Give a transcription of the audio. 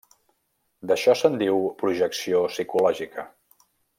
D'això se'n diu projecció psicològica.